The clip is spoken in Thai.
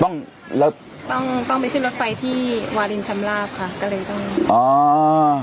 ต้องแล้วต้องต้องไปขึ้นรถไฟที่วารินชำลาบค่ะก็เลยต้องอ๋อ